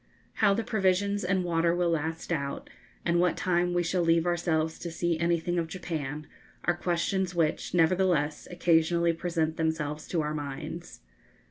How the provisions and water will last out, and what time we shall leave ourselves to see anything of Japan, are questions which, nevertheless, occasionally present themselves to our minds.